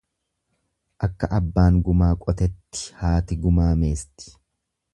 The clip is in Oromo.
Akka abbaan gumaa qotetti haati gumaa meesti.